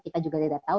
kita juga tidak tahu